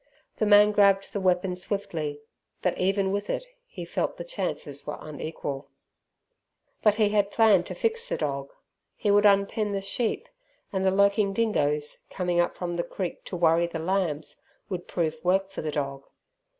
The man grabbed the weapon swiftly, but even with it he felt the chances were unequal. But he had planned to fix the dog. He would unpen the sheep, and the lurking dingoes, coming up from the creek to worry the lambs, would prove work for the dog.